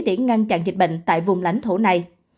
để ngăn chặn dịch bệnh tại vùng lãnh thổ này